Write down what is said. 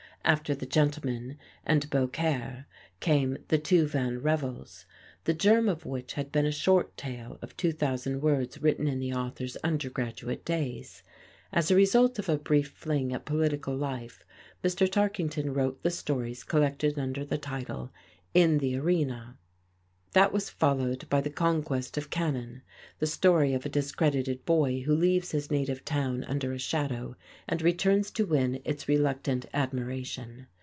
After the "Gentleman" and "Beaucaire" came "The Two Van Revels," the germ of which had been a short tale of two thousand words written in the author's undergraduate days. As a result of a brief fling at political life Mr. Tarkington wrote the stories collected under the title "In the Arena." That was followed by "The Conquest of Canaan," the story of a discredited boy who leaves his native town under a shadow, and returns to win its reluctant admiration.